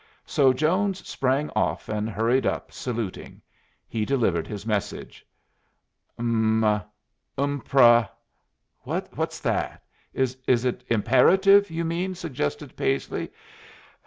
So Jones sprang off and hurried up, saluting. He delivered his message. "Um umpra what's that? Is it imperative you mean?" suggested Paisley.